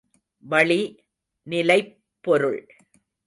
வளி நிலைப் பொருள்.